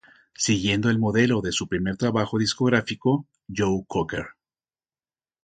Siguiendo el modelo de su primer trabajo discográfico, "Joe Cocker!